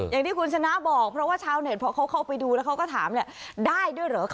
อย่างที่คุณชนะบอกเพราะชาวเน็ตเข้าไปดูก็ถามได้ด้วยเหรอ